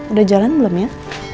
udah jalan belum ya